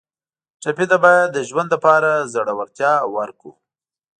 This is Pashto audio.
ټپي ته باید د ژوند لپاره زړورتیا ورکړو.